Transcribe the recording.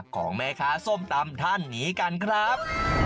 ของแม่ค้าส้มตำท่านนี้กันครับ